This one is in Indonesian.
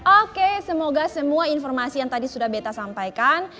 oke semoga semua informasi yang tadi sudah beta sampaikan